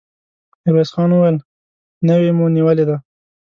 ميرويس خان وويل: نوې مو نيولې ده!